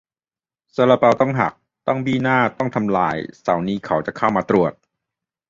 "ซาลาเปาต้องหัก ต้องบี้หน้า ต้องทำลาย เสาร์นี้เขาจะเข้ามาตรวจ"